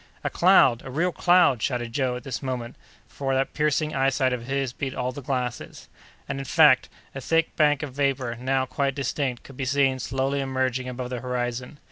"A cloud! a real cloud!" shouted Joe at this moment, for that piercing eyesight of his beat all the glasses. And, in fact, a thick bank of vapor, now quite distinct, could be seen slowly emerging above the horizon.